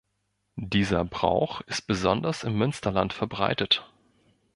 Dieser Brauch ist besonders im Münsterland verbreitet.